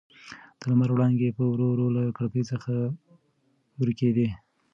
د لمر وړانګې په ورو ورو له کړکۍ څخه ورکېدې.